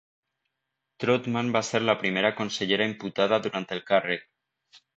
Troutman va ser la primera consellera imputada durant el càrrec.